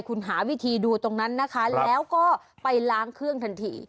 คุณหาวิธีดูตรงนั้นนะคะแล้วก็ไปล้างเครื่องทันที